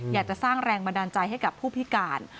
อยากจะสร้างแรงบันดาลใจให้กับผู้พิการ